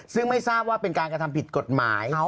ซึ่งไม่ทราบว่าเป็นการกระทำผิดกฎหมาย